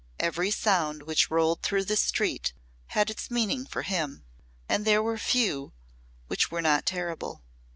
Every sound which rolled through the street had its meaning for him, and there were few which were not terrible.